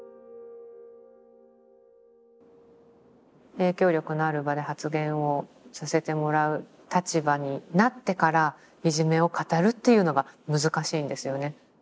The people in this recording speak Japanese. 影響力のある場で発言をさせてもらう立場になってからいじめを語るっていうのが難しいんですよね。